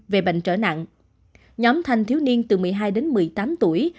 về bệnh trở nặng nhóm thanh thiếu niên từ một mươi hai đến một mươi tám tuổi